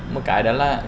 một cái đó là